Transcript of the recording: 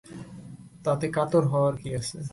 তাতে কাতর হওয়ার কী আছে?